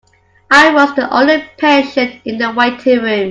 I was the only patient in the waiting room.